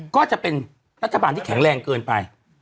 ก็จะเป็นรัฐบาลที่แข็งแรงเกินไป